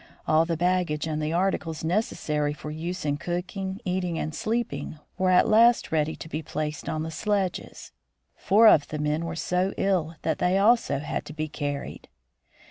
All the baggage and the articles necessary for use in cooking, eating, and sleeping, were at last ready to be placed on the sledges. Four of the men were so ill that they also had to be carried.